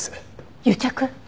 癒着？